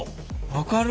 分かる？